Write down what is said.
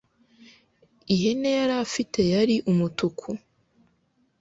ihene yarafite yari umutuku